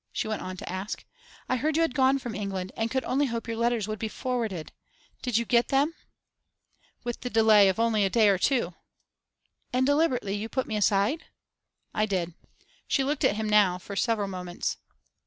she went on to ask. 'I heard you had gone from England, and could only hope your letters would be forwarded. Did you get them?' 'With the delay of only a day or two.' 'And deliberately you put me aside?' 'I did.' She looked at him now for several moments.